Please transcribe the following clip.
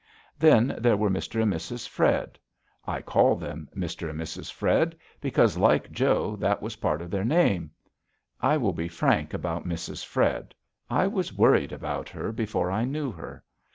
Then there were Mr. and Mrs. Fred. I call them Mr. and Mrs. Fred, because, like Joe, that was a part of their name. I will be frank about Mrs. Fred. I was worried about her before I knew her.